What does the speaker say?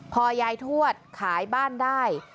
พอยายทวดขายบ้านได้